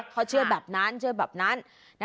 เขาเชื่อแบบนั้น